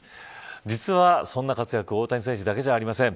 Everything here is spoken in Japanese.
実は、そんな活躍は大谷選手だけではありません。